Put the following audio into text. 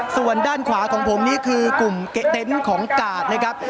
ส่วนด้านขวาของผมนี่คือกลุ่มเต็นต์ของกาดนะครับ